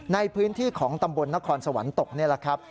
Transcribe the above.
ในพื้นที่ของตำบลนครสวรรค์ตกนี่แหละครับ